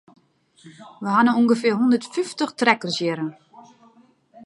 We ha no ûngefear hondert fyftich trekkers hjir.